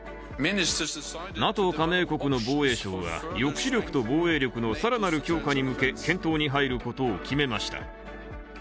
ＮＡＴＯ加盟国の防衛省は抑止力と防衛力の更なる強化に向け検討に入ることを決めました。